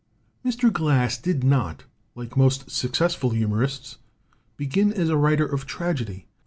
Mr. Glass did not, like most successful humor ists, begin as a writer of tragedy.